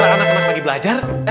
anak anak lagi belajar